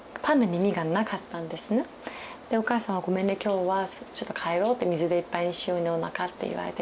でお母さんは「ごめんね今日はちょっと帰ろう水でいっぱいにしようねおなか」って言われて。